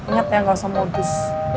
neng gak usah modus